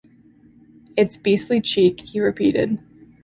"It's beastly cheek," he repeated.